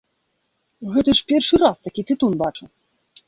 Гэта ж першы раз такі тытун бачу.